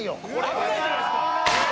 「危ないじゃないですか！」